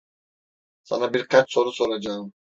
Sana birkaç soru soracağım.